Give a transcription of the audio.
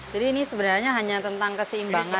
jadi ini sebenarnya hanya tentang keseimbangan